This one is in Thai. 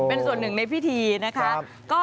เป็นส่วนหนึ่งในพิธีนะคะ